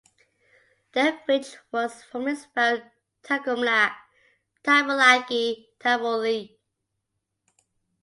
The village was formerly spelt Tagumlag, Tymulagy, Tymoleague.